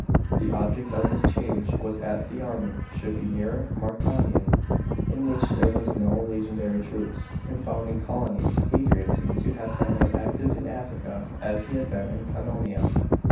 The object of this change was that the army should be nearer Mauretania, in which there were no legionary troops. In founding colonies Hadrian seems to have been as active in Africa as he had been in Pannonia.